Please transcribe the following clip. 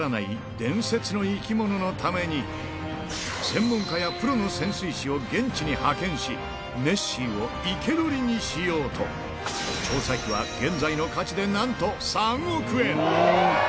伝説の生き物のために、専門家やプロの潜水士を現地に派遣し、ネッシーを生け捕りにしようと、調査費は現在の価値でなんと３億円。